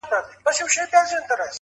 د جرگې به يو په لس پورته خندا سوه،